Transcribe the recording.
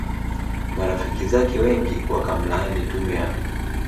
marafiki zake wengi wakamlaani tume ya